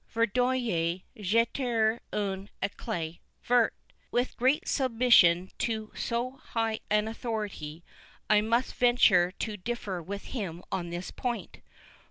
Verdoyer, jeter un éclat vert." With great submission to so high an authority, I must venture to differ with him on this point.